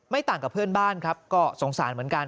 ต่างกับเพื่อนบ้านครับก็สงสารเหมือนกัน